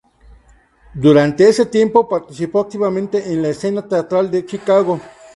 Durante ese tiempo participó activamente en la escena teatral de Chicago.